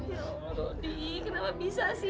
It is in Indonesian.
ya allah rodi kenapa bisa sih